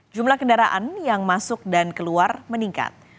jumlah kendaraan yang masuk dan keluar meningkat